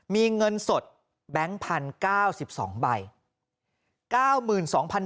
มีเงินสดแบงค์พันธุ์๙๒ใบ